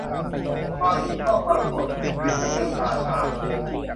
ความดีก็ปรากฎ กฤติยศฤๅชา